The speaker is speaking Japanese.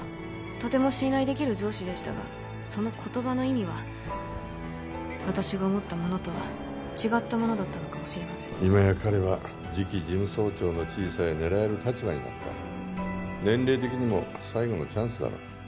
とても信頼できる上司でしたがその言葉の意味は私が思ったものとは違ったものだったのかもしれません今や彼は次期事務総長の地位さえ狙える立場になった年齢的にも最後のチャンスだろう